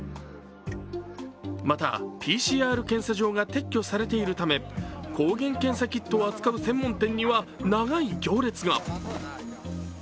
また、ＰＣＲ検査場が撤去されているため抗原検査キットを扱う専門店には長い行列が。